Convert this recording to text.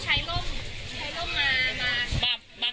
ใช้ลมมา